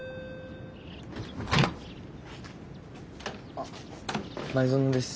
あっ前園です。